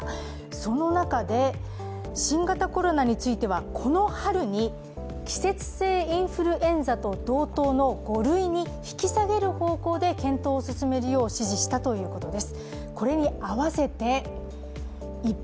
その中で、新型コロナについては、この春に季節性インフルエンザと同等の５類に引き下げる方向で検討を進めるよう指示したということです。